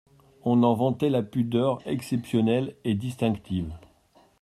On en vantait la pudeur exceptionnelle et distinctive.